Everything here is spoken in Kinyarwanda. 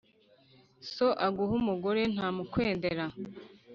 So aguha umugore ntamukwendera.